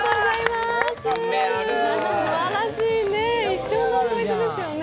すばらしいね、一生の思い出ですよね。